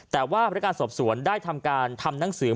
แต่ว่าพนักงานสอบสวนได้ทำการทำหนังสือ